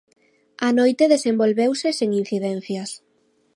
A noite desenvolveuse sen incidencias.